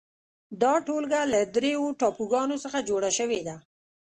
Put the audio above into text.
دا ټولګه له درېو ټاپوګانو څخه جوړه شوې ده.